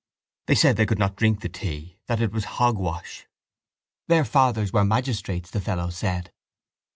They said they could not drink the tea; that it was hogwash. Their fathers were magistrates, the fellows said.